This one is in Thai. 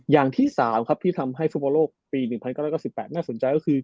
อย่างที่๓ครับที่ทำให้ฟุตบอลโลกปี๑๙๙๘น่าสนใจก็คือ